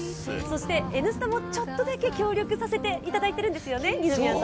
そして「Ｎスタ」もちょっとだけ協力させていただいているんですよね。